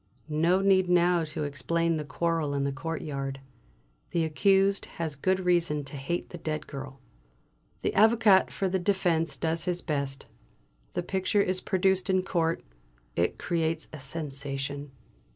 No need now to explain the quarrel in the courtyard. The accused has good reason to hate the dead girl. The Avocat for the defence does his best. The picture is produced in court; it creates a sensation.